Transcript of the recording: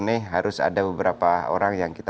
nih harus ada beberapa orang yang kita ikuti